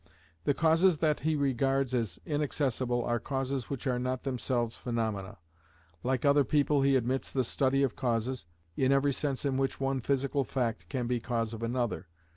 The causes that he regards as inaccessible are causes which are not themselves phaenomena. Like other people he admits the study of causes, in every sense in which one physical fact can be the cause of another.